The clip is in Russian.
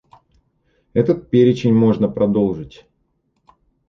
Этот перечень можно продолжить.